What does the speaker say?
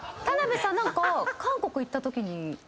田辺さん何か韓国行ったときに。